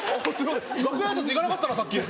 楽屋挨拶行かなかったなさっき。